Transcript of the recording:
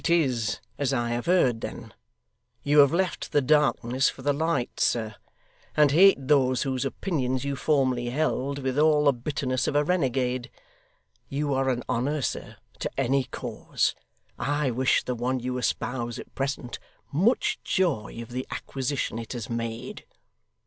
'It is as I have heard then. You have left the darkness for the light, sir, and hate those whose opinions you formerly held, with all the bitterness of a renegade. You are an honour, sir, to any cause. I wish the one you espouse at present, much joy of the acquisition it has made.